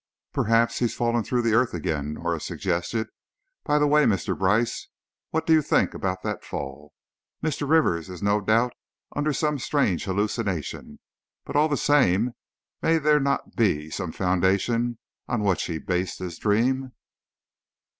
"Perhaps he's fallen through the earth again," Norah suggested; "by the way, Mr. Brice, what do you think about that fall? Mr. Rivers is no doubt under some strange hallucination, but all the same, may there not be some foundation on which he based his dream?"